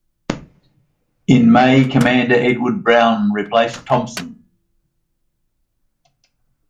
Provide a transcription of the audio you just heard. In May Commander Edward Brown replaced Thompson.